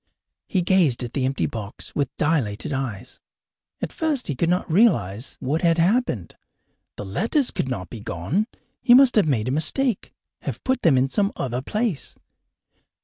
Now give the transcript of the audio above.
He gazed at the empty box with dilated eyes. At first he could not realize what had happened. The letters could not be gone! He must have made a mistake, have put them in some other place!